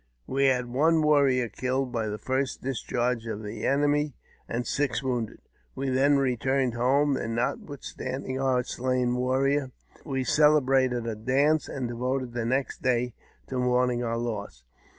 We had one warrior killed by the first discharge of the enemy, and six wounded. We then returned home, and, not withstanding our slain warrior, we celebrated a dance, and devoted the next day to mourning our loss.